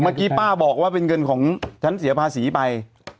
เมื่อกี้ป้าบอกว่าเป็นเงินของฉันเสียภาษีไป